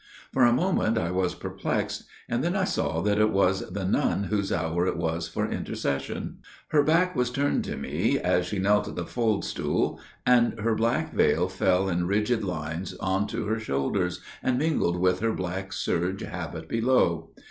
For a moment I was perplexed, and then I saw that it was the nun whose hour it was for intercession. Her back was turned to me as she knelt at the faldstool, and her black veil fell in rigid lines on to her shoulders, and mingled with her black serge habit below.